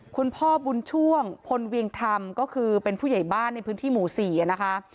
คุณพ่อบุญช่วงพลเวียงธรรมก็คือเป็นผู้ใหญ่บ้านในพื้นที่หมู่๔นะคะ